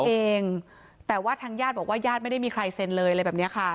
เองแต่ว่าทางญาติบอกว่าญาติไม่ได้มีใครเซ็นเลยอะไรแบบนี้ค่ะ